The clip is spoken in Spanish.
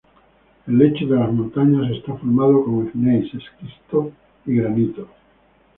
El lecho de las montañas está formado por gneis, esquisto y granito.